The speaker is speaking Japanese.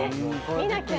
見なきゃ。